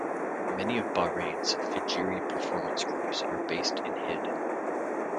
Many of Bahrain's fijiri performance groups are based in Hidd.